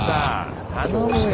頼むよ。